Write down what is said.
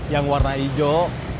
yang warna hijau